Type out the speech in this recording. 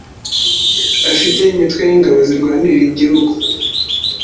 afite imitwe y’ingabo zirwanirira igihugu.